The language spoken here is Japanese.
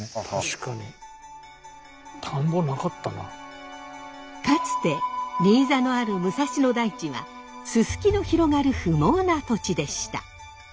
かつて新座のある武蔵野台地はススキの広がる不毛な土地でした。